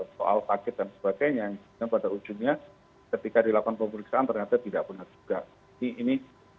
soal sakit dan sebagainya yang pada ujungnya ketika dilakukan pemeriksaan ternyata tidak benar juga ini